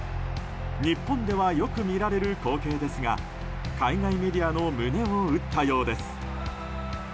日本ではよく見られる光景ですが海外メディアの胸を打ったようです。